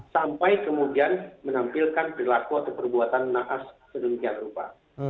sampai kemudian menampilkan perilaku atau perbuatan naas sedemikian rupa